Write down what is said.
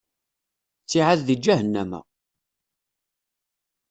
Ttiɛad di ǧahennama.